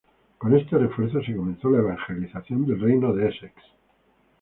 Con este refuerzo, se comenzó la evangelización del reino de Essex.